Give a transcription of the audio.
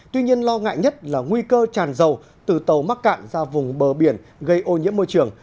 tuy nhiên lo ngại nhất là nguy cơ tràn dầu từ tàu mắc cạn ra vùng bờ biển gây ô nhiễm môi trường